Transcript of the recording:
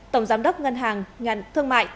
tổng giám đốc ngân hàng thương mại